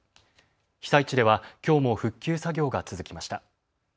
被災地ではきょうも復旧作業が続きました。